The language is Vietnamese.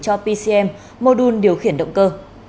cho pcm mô đun điều khiển động cơ